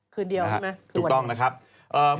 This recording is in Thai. คือเดียวใช่ไหม